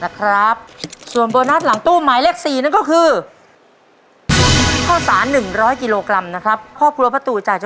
มาดูโบนัสหลังตู้หมายเลขสองครับว่าจะได้โบนัสกลับไปบ้านเท่าไร